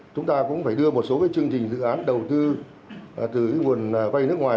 chúng ta cũng phải đưa một số chương trình dự án đầu tư từ quần quay nước ngoài